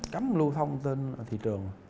cấm lưu thông trên thị trường